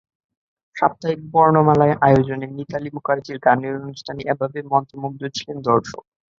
সাপ্তাহিক বর্ণমালায় আয়োজনে মিতালী মুখার্জির গানের অনুষ্ঠানে এভাবেই মন্ত্রমুগ্ধ ছিল দর্শক।